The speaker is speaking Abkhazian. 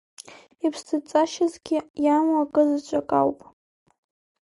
Иԥсҭаҵашьасгьы иамоу акызаҵәык ауп.